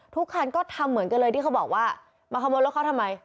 ทุกคันก็ทำเหมือนกันเลยที่เขาบอกว่ามาขโมยรถเขาทำไม